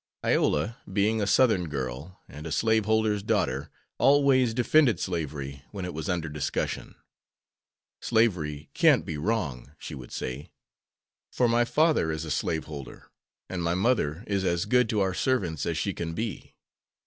Iola, being a Southern girl and a slave holder's daughter, always defended slavery when it was under discussion. "Slavery can't be wrong," she would say, "for my father is a slave holder, and my mother is as good to our servants as she can be.